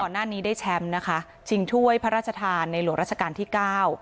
ได้แชมป์นะคะชิงถ้วยพระราชทานในหลวงราชการที่เก้า